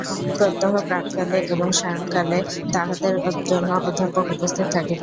প্রত্যহ প্রাতঃকালে এবং সায়ংকালে তাহাদের জন্য অধ্যাপক উপস্থিত থাকিবে।